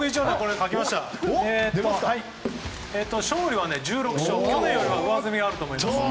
僕は、勝利は１６勝去年より上積みあると思います。